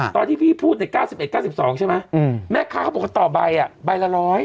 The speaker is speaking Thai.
ตอนที่พี่พูด๙๑๙๒ใช่มั้ยแม่คะเขาบอกต่อใบ๑๐๐